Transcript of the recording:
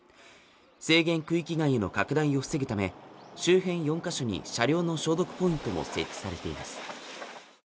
制限区域外への拡大を防ぐため周辺４か所に車両の消毒ポイントも設置されています